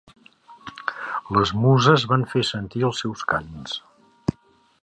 Les Muses van fer sentir els seus cants.